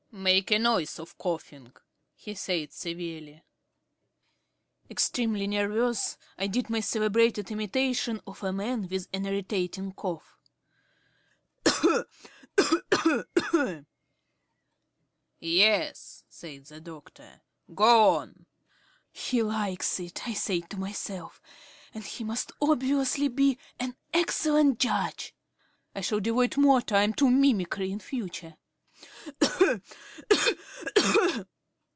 "Make the noise of coughing," he said severely. Extremely nervous, I did my celebrated imitation of a man with an irritating cough. "H'm! h'm! h'm! h'm!" "Yes," said the doctor. "Go on." "He likes it," I said to myself, "and he must obviously be an excellent judge. I shall devote more time to mimicry in future.